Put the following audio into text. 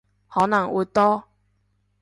可能會多